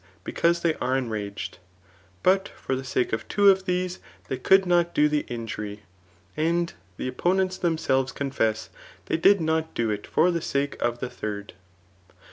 because they are enraged ;] but for the sake of two of these they could not do the injury ; and the opponents themselves confess they did not do it for the sake of the third.